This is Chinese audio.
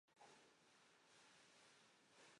公孙瓒将刘虞的头颅送往长安。